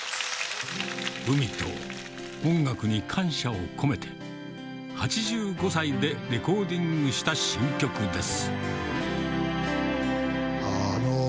海と音楽に感謝を込めて、８５歳でレコーディングした新曲です。